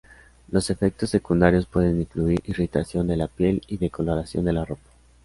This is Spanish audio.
Los efectos secundarios pueden incluir irritación de la piel y decoloración de la ropa.